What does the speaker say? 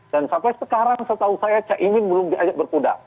dan sampai sekarang setahu saya cak imin belum diajak berkuda